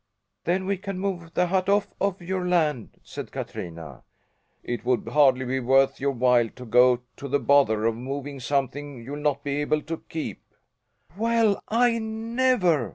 "Then we can move the hut off of your land," said Katrina. "It would hardly be worth your while to go to the bother of moving something you'll not be able to keep." "Well, I never!"